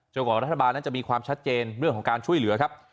กว่ารัฐบาลนั้นจะมีความชัดเจนเรื่องของการช่วยเหลือครับ